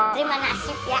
terima nasib ya